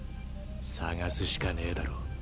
探すしかねぇだろ